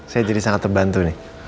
saya jadi sangat terbantu nih